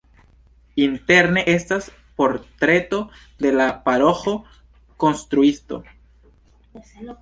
Interne estas portreto de la paroĥo-konstruisto.